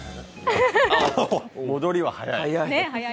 戻りは速い！